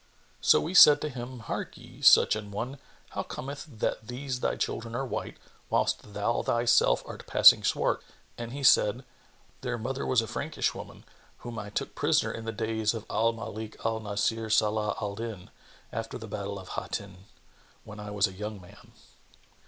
So we said to him, "Harkye, such an one, how cometh it that these thy children are white, whilst thou thyself art passing swart?" and he said, "Their mother was a Frankish woman, whom I took prisoner in the days of Al Malik al Nбsir Salбh al Dнn,[FN#28] after the battle of Hattнn,[FN#29] when I was a young man."